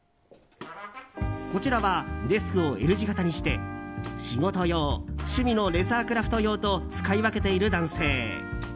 こちらは、デスクをＬ字形にして仕事用趣味のレザークラフト用と使い分けている男性。